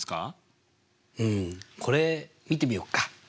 うんこれ見てみようか。